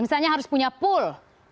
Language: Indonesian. misalnya harus punya pool